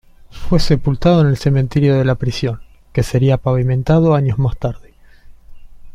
Fue sepultado en el cementerio de la prisión, que sería pavimentado años más tarde.